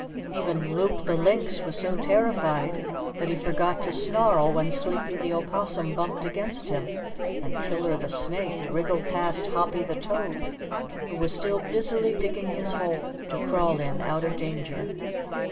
Even Loup the Lynx was so terrified that he forgot to snarl when Sleepy the Opossum bumped against him, and Killer the Snake wriggled past Hoppy the Toad who was still busily digging his hole to crawl in out of danger.